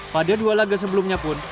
pada dua laga sebelumnya pun